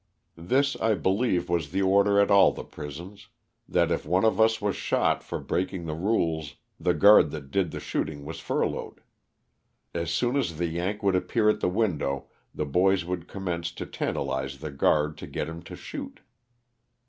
This, I believe, was the order at all the prisons, that if one of us was shot for breaking the rules the guard that did the shooting was f urloughed. As soon as the ^' Yank " would appear at the window the boys would commence to tantalize the guard to get him to shoot.